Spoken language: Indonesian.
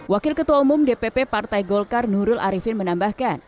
wakil ketua umum dpp partai golkar nurul arifin menambahkan